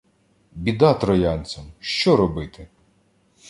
Біда троянцям! Що робити?